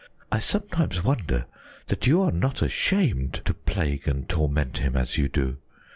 I sometimes wonder that you are not ashamed to plague and torment him as you do.